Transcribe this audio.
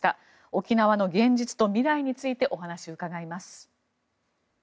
沖縄の現実と未来についてお話を伺います。